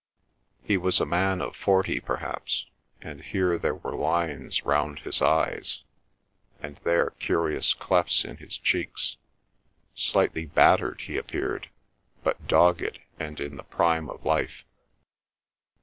He was a man of forty perhaps; and here there were lines round his eyes, and there curious clefts in his cheeks. Slightly battered he appeared, but dogged and in the prime of life.